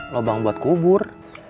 lobang buat kubur